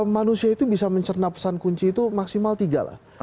manusia itu bisa mencerna pesan kunci itu maksimal tiga lah